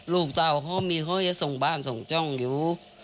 ลูกเต้าเขามีเขาจะส่งบ้านส่งจ้องอยู่